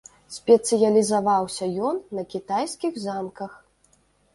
Спецыялізаваўся ён на кітайскіх замках.